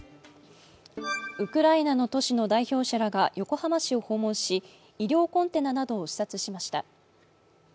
ウクライナの都市の代表者らが横浜市を訪問し、医療コンテナなどを視察しました。